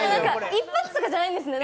一発とかじゃないんですね。